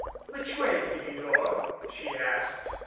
" Which way, Philidor?" she asked.